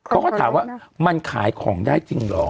เขาก็ถามว่ามันขายของได้จริงเหรอ